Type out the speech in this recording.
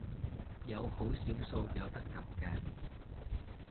有好少數有得撳嘅